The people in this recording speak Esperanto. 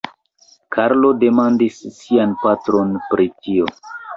Karlo demandis sian patron pri tio.